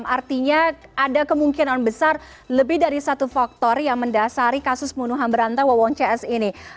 artinya ada kemungkinan besar lebih dari satu faktor yang mendasari kasus pembunuhan berantai wawon cs ini